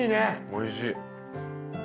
おいしい。